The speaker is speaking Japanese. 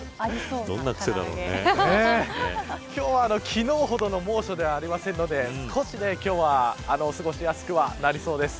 今日は昨日ほどの猛暑ではありませんので少し今日は過ごしやすくはなりそうです。